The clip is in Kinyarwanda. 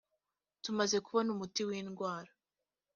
tumaze kubona umuti windwara.